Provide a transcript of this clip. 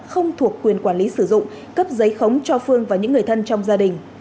không thuộc quyền quản lý sử dụng cấp giấy khống cho phương và những người thân trong gia đình